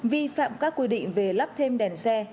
vi phạm các quy định về lắp thêm đèn xe